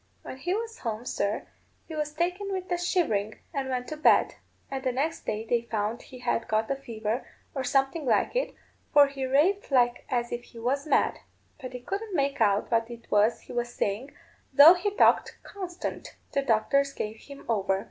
When he went home, sir, he was taken with a shivering, and went to bed; and the next day they found he had got the fever, or something like it, for he raved like as if he was mad. But they couldn't make out what it was he was saying, though he talked constant. The doctors gave him over.